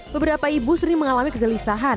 beberapa ibu sering mengalami kegelisahan